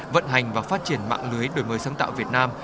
vận hành và phát triển mạng lưới đổi mới sáng tạo việt nam